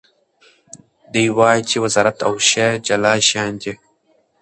دی وایي چې وزارت او شعر جلا شیان دي.